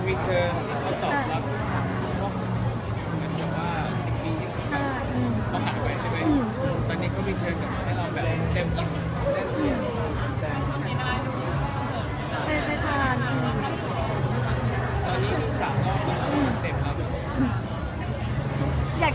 แต่พอหลังดราม่าก็มีแฟนคลับเข้ามารักเรามากดกล้องเราเยอะมาก